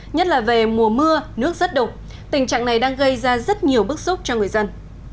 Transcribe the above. nhất là về mùa mưa nước rất đục tình trạng này đang gây ra rất nhiều bức xúc cho người dân